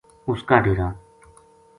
اس کا ڈیرا